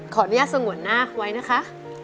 ขออนุญาตส่งหัวหน้าไว้นะคะ